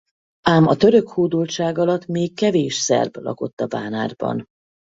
Ám a török hódoltság alatt még kevés szerb lakott a Bánátban.